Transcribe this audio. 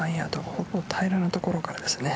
ほぼ平らな所からですね。